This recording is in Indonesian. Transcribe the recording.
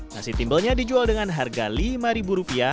nasi timbelnya dijual dengan harga rp lima